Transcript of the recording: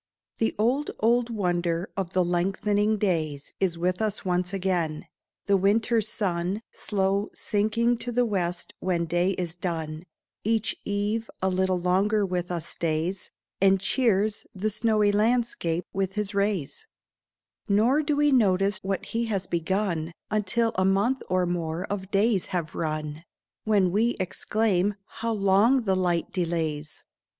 The old, old wonder of the lengthening days Is with us once again; the winter's sun, Slow sinking to the west when day is done, Each eve a little longer with us stays, And cheers the snowy landscape with his rays; Nor do we notice what he has begun Until a month or more of days have run, When we exclaim: "How long the light delays!"